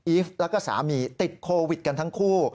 ฟแล้วก็สามีติดโควิดกันทั้งคู่